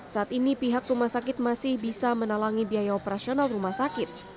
saat ini pihak rumah sakit masih bisa menalangi biaya operasional rumah sakit